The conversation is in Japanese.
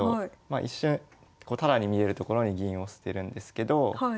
一瞬タダに見えるところに銀を捨てるんですけど。